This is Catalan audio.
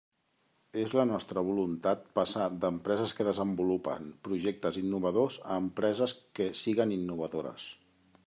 És la nostra voluntat passar d'empreses que desenvolupen projectes innovadors a empreses que siguen innovadores.